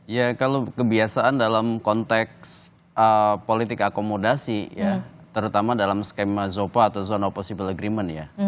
ya kalau kebiasaan dalam konteks politik akomodasi ya terutama dalam skema zopa atau zona possible agreement ya